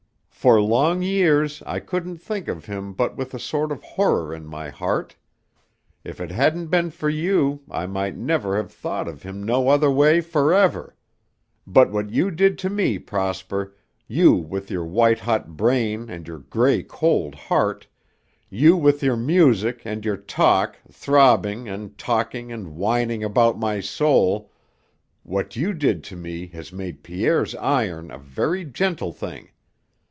For long years I couldn't think of him but with a sort of horror in my heart. If it hadn't been for you, I might never have thought of him no other way forever. But what you did to me, Prosper, you with your white hot brain and your gray cold heart, you with your music and your talk throbbing and talking and whining about my soul, what you did to me has made Pierre's iron a very gentle thing.